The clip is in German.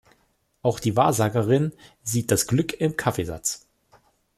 Auch die Wahrsagerin sieht das Glück im Kaffeesatz.